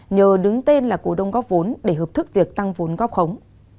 nhờ đứng tên là cổ đông góp vốn để hợp thức việc tăng vốn góp khống